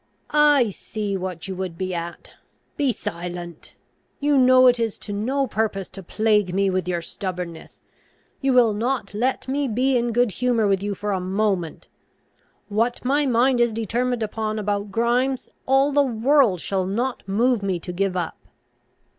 "I see what you would be at. Be silent. You know it is to no purpose to plague me with your stubbornness. You will not let me be in good humour with you for a moment. What my mind is determined upon about Grimes, all the world shall not move me to give up."